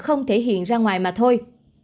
không thể hiện ra ngoài mà thôi